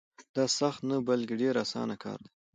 دا سخت نه بلکې ډېر اسان کار دی.